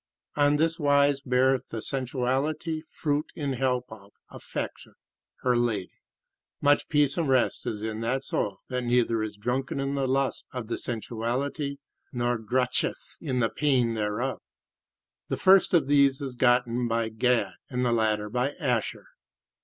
On this wise beareth the sensuality fruit in help of affection, her lady. Much peace and rest is in that soul that neither is drunken in the lust of the sensuality, nor grutcheth in the pain thereof. The first of these is gotten by Gad and the latter by Asher.